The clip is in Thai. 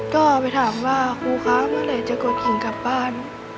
ก็ไปถามว่าครูคะเมื่อไหร่จะกดขิงกลับบ้าน